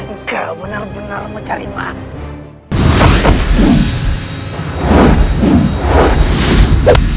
engkau benar benar mencari maaf